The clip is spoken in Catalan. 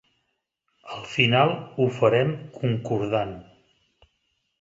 Al final, ho farem concordant.